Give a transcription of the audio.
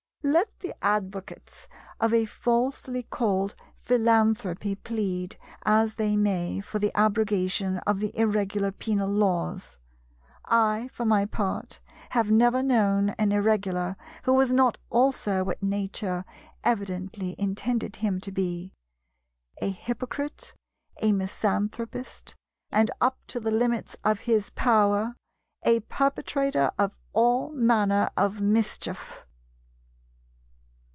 Let the advocates of a falsely called Philanthropy plead as they may for the abrogation of the Irregular Penal Laws, I for my part have never known an Irregular who was not also what Nature evidently intended him to be—a hypocrite, a misanthropist, and, up to the limits of his power, a perpetrator of all manner of mischief.